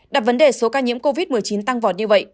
đặt vấn đề số ca nhiễm covid một mươi chín tăng vào